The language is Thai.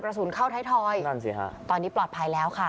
สุนเข้าไทยทอยนั่นสิฮะตอนนี้ปลอดภัยแล้วค่ะ